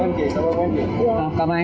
ihin sự hoạt động của ngân hàng